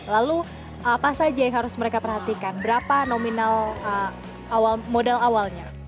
lalu apa saja yang harus mereka perhatikan berapa nominal modal awalnya